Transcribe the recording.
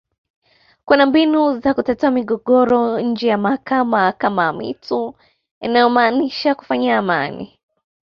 Kuna mbinu za kutatua migogoro nje ya mahakama kama amitu inayomaanisha kufanya amani